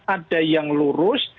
ada yang lurus